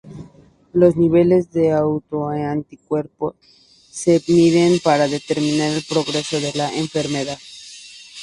Los niveles de autoanticuerpos se miden para determinar el progreso de la enfermedad.